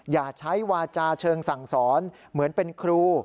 อย่าใช้วาจาเชิงสั่งสอนเหมือนเป็นครู